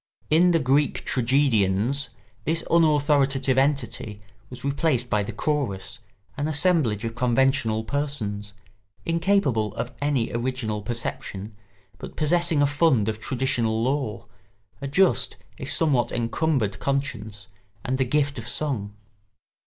In the Greek tragedians this unauthoritative entity was replaced by the chorus, an assemblage of conventional persons, incapable of any original perception, but possessing a fund of traditional lore, a just if somewhat encumbered conscience, and the gift of song.